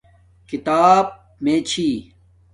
کھیتاپ میے چھی